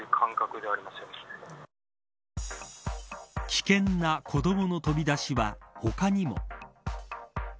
危険な子どもの飛び出しは他にも。